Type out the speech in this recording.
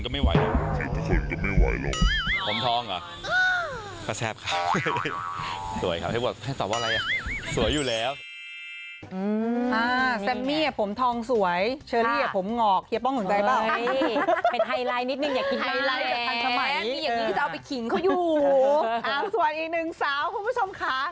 มาสวัสดีอีกหนึ่งเสาร์คุณผู้ชมครับ